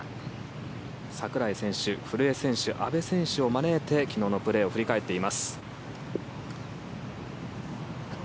櫻井選手、古江選手阿部選手を招いて昨日のプレーを振り返っています。